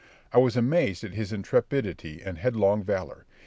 I was amazed at his intrepidity and headlong valour.